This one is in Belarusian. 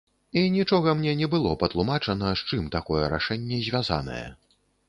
І нічога мне не было патлумачана, з чым такое рашэнне звязанае.